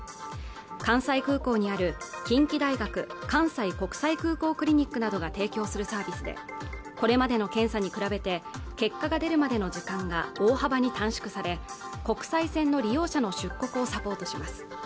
関西空港にある近畿大学関西国際空港クリニックなどが提供するサービスでこれまでの検査に比べて結果が出るまでの時間が大幅に短縮され国際線の利用者の出国をサポートします